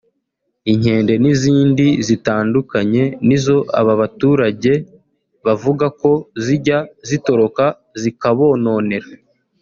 inkende n’ izindi zitandukanye nizo aba baturage bavuga ko zijya zitoroka zikabononera